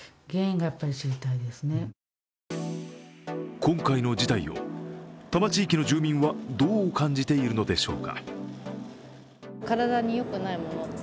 今回の事態を多摩地域の住民はどう感じているのでしょうか。